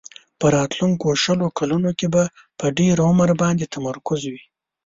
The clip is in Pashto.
په راتلونکو شلو کلونو کې به په ډېر عمر باندې تمرکز وي.